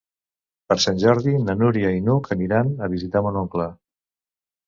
Per Sant Jordi na Núria i n'Hug aniran a visitar mon oncle.